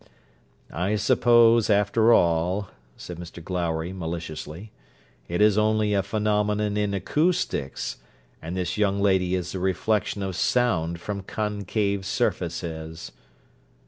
'I suppose, after all,' said Mr Glowry maliciously, 'it is only a phænomenon in acoustics, and this young lady is a reflection of sound from concave surfaces.'